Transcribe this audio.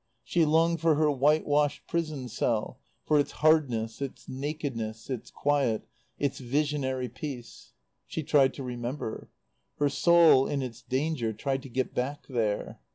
She longed for her white washed prison cell, for its hardness, its nakedness, its quiet, its visionary peace. She tried to remember. Her soul, in its danger, tried to get back there.